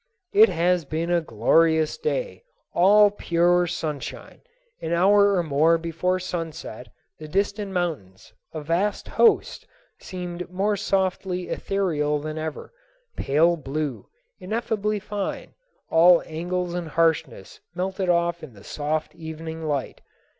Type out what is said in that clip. It has been a glorious day, all pure sunshine. An hour or more before sunset the distant mountains, a vast host, seemed more softly ethereal than ever, pale blue, ineffably fine, all angles and harshness melted off in the soft evening light.